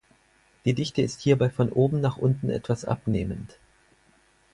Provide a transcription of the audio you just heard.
Die Dichte ist hierbei von oben nach unten etwas abnehmend.